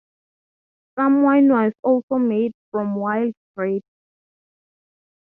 Some wine was also made from wild grapes.